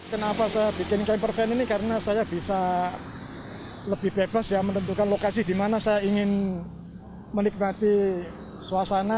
kenapa saya bikin campervan ini karena saya bisa lebih bebas ya menentukan lokasi dimana saya ingin menikmati suasana